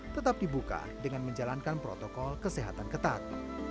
tetap dibuka dengan menjalankan protokol kesehatan ketat